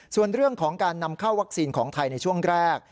ส่วนเรื่องของการนำเข้าวัคซีนของไทยในช่วงแรก